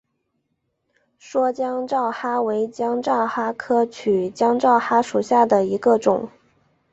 蓑江珧蛤为江珧蛤科曲江珧蛤属下的一个种。